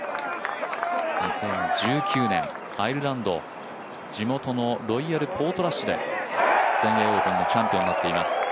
２０１９年、アイルランド地元のロイヤル・ポートラッシュで全英オープンのチャンピオンになっています。